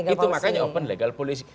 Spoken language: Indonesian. itu makanya open legal policy